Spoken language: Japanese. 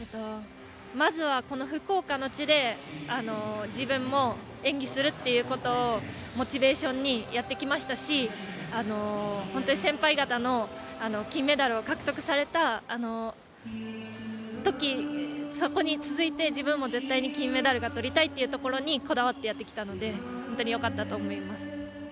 まずは、この福岡の地で自分も演技するっていうことをモチベーションにやってきましたし先輩方が金メダルを獲得された時、そこに続いて自分も絶対に金メダルがとりたいというところにこだわってやってきたので本当に良かったと思います。